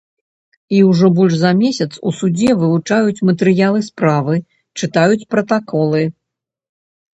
І ўжо больш за месяц у судзе вывучаюць матэрыялы справы, чытаюць пратаколы.